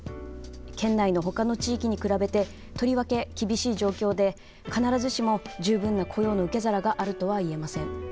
県内のほかの地域に比べてとりわけ厳しい状況で必ずしも十分な雇用の受け皿があるとは言えません。